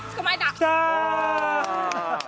きた！